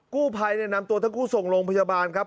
กู้ไพรนำตัวทะกู้ส่งลงพยาบาลครับ